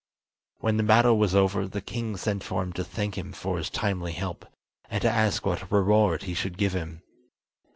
When the battle was over, the king sent for him to thank him for his timely help, and to ask what reward he should give him.